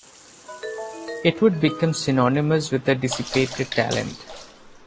It would become synonymous with dissipated talent.